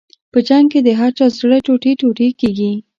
په جنګ کې د هر چا زړه ټوټې ټوټې کېږي.